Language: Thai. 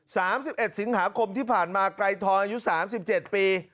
สามสิบเอ็ดสิงหาคมที่ผ่านมาไกรทองอายุสามสิบเจ็ดปี